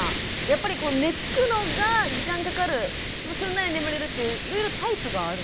やっぱり寝つくのが時間かかるすんなり眠れるっていろいろタイプがあるんですかね？